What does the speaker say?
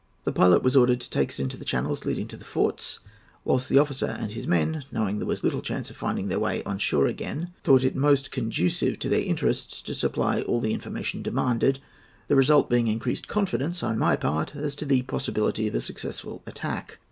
The pilot was ordered to take us into the channels leading to the forts, whilst the officer and his men, knowing there was little chance of their finding their way on shore again, thought it most conducive to their interests to supply all the information demanded, the result being increased confidence on my part as to the possibility of a successful attack.